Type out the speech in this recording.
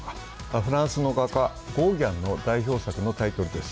フランスの画家、ゴーギャンの代表作のタイトルです。